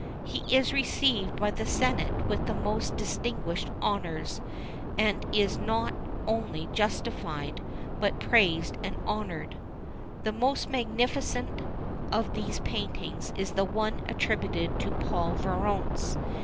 He is received by the senate with the most distinguished honours, and is not only justified, but praised and honoured. The most magnificent of these paintings is the one attributed to Paul Veronese.